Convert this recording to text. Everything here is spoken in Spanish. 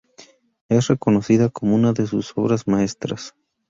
Es reconocida como una de sus obras maestras.